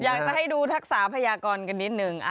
อยากจะให้ดูทักษะพยากรกันนิดนึง